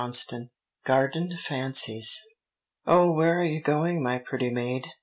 CHAPTER VI "GARDEN FANCIES" "OH, where are you going, my pretty maid?"